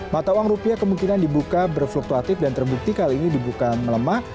mata uang rupiah kemungkinan dibuka berfluktuatif dan terbukti kali ini dibuka melemah